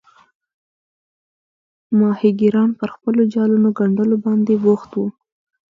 ماهیګیران پر خپلو جالونو ګنډلو باندې بوخت وو.